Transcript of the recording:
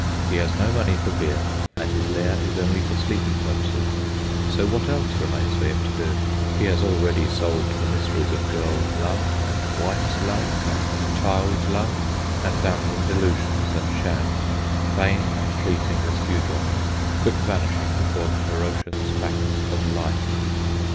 He has no money for beer, and his lair is only for sleeping purposes, so what else remains for him to do? He has already solved the mysteries of girl's love, and wife's love, and child's love, and found them delusions and shams, vain and fleeting as dew drops, quick vanishing before the ferocious facts of life.